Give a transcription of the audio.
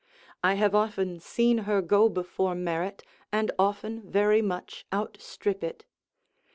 I have often seen her go before merit, and often very much outstrip it.